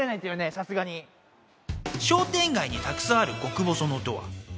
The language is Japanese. さすがに商店街にたくさんある極細のドア